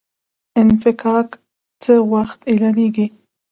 انفکاک څه وخت اعلانیږي؟